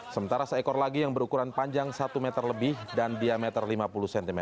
sementara seekor lagi yang berukuran panjang satu meter lebih dan diameter lima puluh cm